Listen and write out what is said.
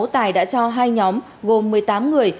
tài đã cho hai nhóm gồm một mươi tám người